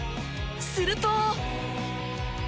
すると。